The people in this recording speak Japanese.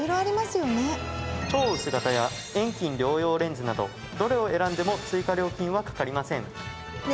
超薄型や遠近両用レンズなどどれを選んでも追加料金はかかりません。